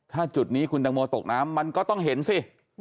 ถ้าจุดนี้คุณตังโมตกน้ำมันก็ต้องเห็นสิ